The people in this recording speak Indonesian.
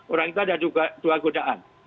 orang itu ada dua godaan